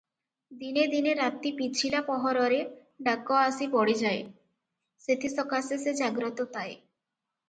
ଦିନେ ଦିନେ ରାତି ପିଛିଲା ପହରରେ ଡାକ ଆସି ପଡ଼ିଯାଏ, ସେଥିସକାଶେ ସେ ଜାଗ୍ରତ ତାଏ ।